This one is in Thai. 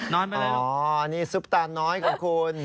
นอนไปเลยอ๋อนี่ซุปตาน้อยของคุณ